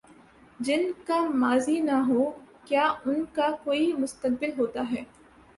جن کا ماضی نہ ہو، کیا ان کا کوئی مستقبل ہوتا ہے؟